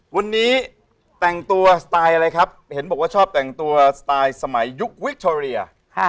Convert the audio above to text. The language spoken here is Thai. วันนี้แต่งตัวสไตล์อะไรครับเห็นบอกว่าชอบแต่งตัวสไตล์สมัยยุควิคโทเรีย